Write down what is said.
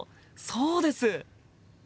そうです！